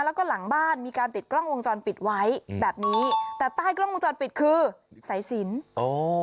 แล้วก็หลังบ้านมีการติดกล้องวงจรปิดไว้อืมแบบนี้แต่ใต้กล้องวงจรปิดคือสายสินอ๋อ